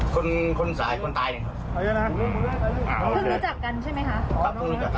คนคนสายคนตายเลยครับเพิ่งน่ะเลิกอ้าเสร็จกันใช่ไหมคะ